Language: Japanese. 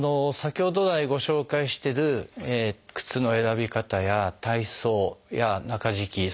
先ほど来ご紹介してる靴の選び方や体操や中敷き。